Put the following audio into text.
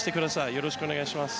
よろしくお願いします。